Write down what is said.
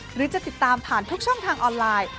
หรือจะติดตามผ่านทุกช่องทางออนไลน์